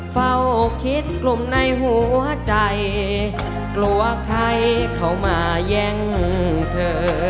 เฝ้าคิดกลุ่มในหัวใจกลัวใครเข้ามาแย่งเธอ